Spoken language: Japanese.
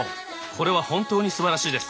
これは本当にすばらしいです。